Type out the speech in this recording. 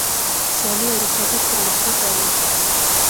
سیالي او رقابت پرمختګ راولي.